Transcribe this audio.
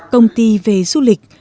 công ty về du lịch